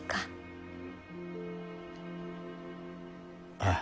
ああ。